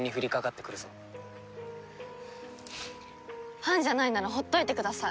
ファンじゃないならほっといてください。